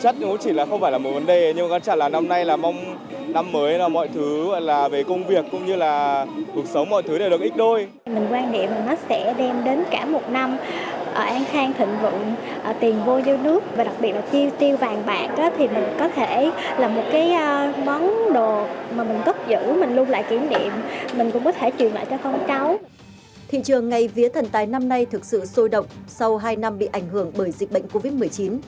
thị trường ngay vía thần tài năm nay thực sự sôi động sau hai năm bị ảnh hưởng bởi dịch bệnh covid một mươi chín